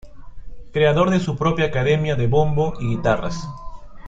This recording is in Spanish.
Creador de su propia academia de bombo y guitarras.